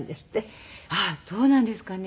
あっどうなんですかね？